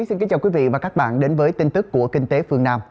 hòa chí xin kính chào quý vị và các bạn đến với tin tức của kinh tế phương nam